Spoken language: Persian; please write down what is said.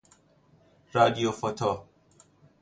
رادیوفوتو